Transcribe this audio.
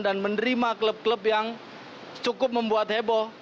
menerima klub klub yang cukup membuat heboh